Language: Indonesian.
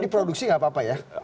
jadi diproduksi gak apa apa ya